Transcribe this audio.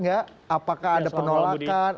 apakah ada penolakan